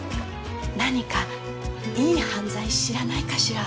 何かいい犯罪知らないかしら？